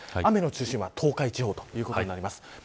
雨の中心は東海地方ということです。